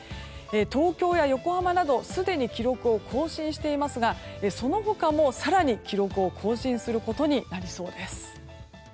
東京や横浜などすでに記録を更新していますがその他も更に記録を更新することになりそうです。